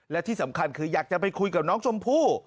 และที่สำคัญคืออยากจะไปคุยกับน้องชมพู่